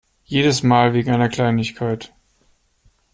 Jedes Mal wegen einer Kleinigkeit.